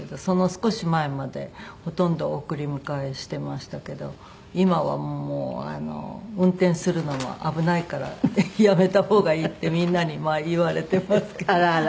その少し前までほとんど送り迎えしてましたけど今はもう「運転するのも危ないからやめた方がいい」ってみんなに言われてますから。